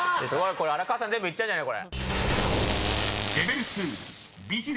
これ荒川さん全部いっちゃうんじゃない？